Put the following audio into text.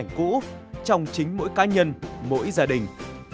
những bức ảnh cũ trong chính mỗi cá nhân mỗi gia đình